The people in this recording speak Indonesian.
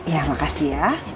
ya makasih ya